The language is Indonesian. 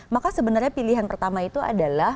maka sebenarnya pilihan pertama itu adalah